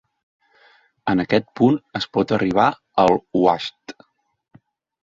En aquest punt, es pot arribar al "wajd".